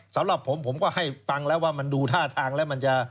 สำหรับผมผมก็ให้ฟังแล้วว่ามันดูท่าทางแล้วมันจะ